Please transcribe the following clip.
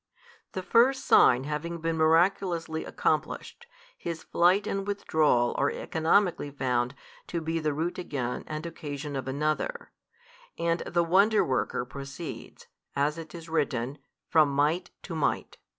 The first sign having been miraculously accomplished, His flight and withdrawal are economically found to be the root again and occasion of another, and the Wonderworker proceeds, as it is written, from might to might.